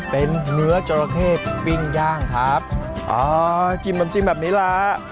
เป็นเนื้อจราเข้ปิ้งย่างครับอ๋อจิ้มแบบนี้ละ